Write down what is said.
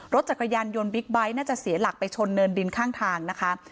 รถจักรยานยนต์บิ๊กไบท์น่าจะเสียหลักไปชนเนินดินข้างทางนะคะ